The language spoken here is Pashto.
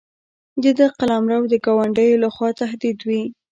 د ده قلمرو د ګاونډیو له خوا تهدید وي.